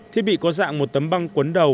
thiết bị có dạng một tấm băng cuốn đầu